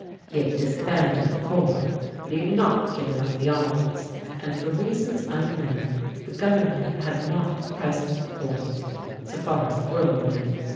He had disbanded the corps, but he had not 'given up the arms, and, for rea sons unknown, the Government had not pressed the point, so far as the world knew.